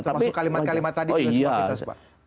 masuk kalimat kalimat tadi juga sempat kita sempat